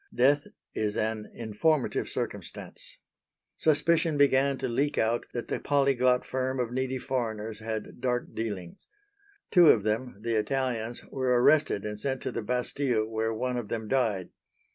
Death is an informative circumstance. Suspicion began to leak out that the polyglot firm of needy foreigners had dark dealings. Two of them the Italians were arrested and sent to the Bastille where one of them died.